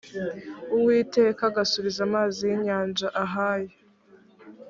uwiteka agasubiza amazi y inyanja ahayo